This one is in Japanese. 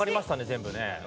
全部ね。